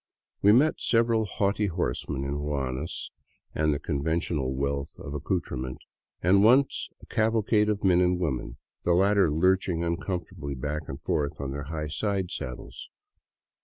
We met several haughty horsemen in ruanas and the conventional wealth of accoutrement, and once a cavalcade of men and women, the latter lurching uncomfortably back and forth on their high side saddles.